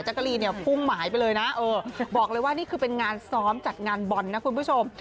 กะรีนเนี่ยพุ่งหมายไปเลยนะเออบอกเลยว่านี่คือเป็นงานซ้อมจัดงานบอลนะคุณผู้ชม